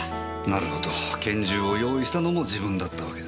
なるほど拳銃を用意したのも自分だったわけですね。